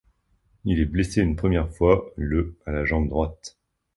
Il est blessé une première fois le à la jambe droite.